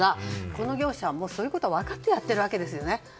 この業者はそういうことを分かってやっているわけですよね。